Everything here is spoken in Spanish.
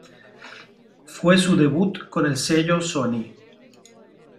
Fue su debut con el sello Sony.